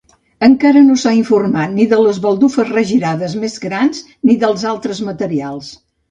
Encara no s'ha informat ni de les baldufes regirades més grans ni dels altres materials.